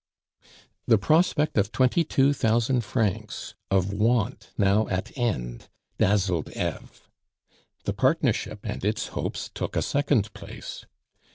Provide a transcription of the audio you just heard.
The prospect of twenty two thousand francs, of want now at end, dazzled Eve. The partnership and its hopes took a second place.